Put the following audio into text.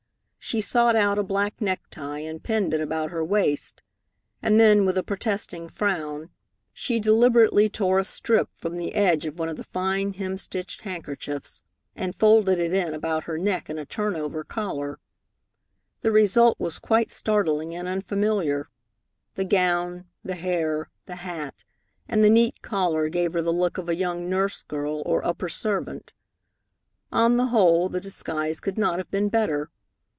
She sought out a black necktie and pinned it about her waist, and then, with a protesting frown, she deliberately tore a strip from the edge of one of the fine hem stitched handkerchiefs, and folded it in about her neck in a turn over collar. The result was quite startling and unfamiliar. The gown, the hair, the hat, and the neat collar gave her the look of a young nurse girl or upper servant. On the whole, the disguise could not have been better.